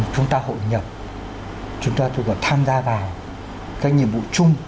chúng ta hội nhập chúng ta tham gia vào cái nhiệm vụ chung của quốc gia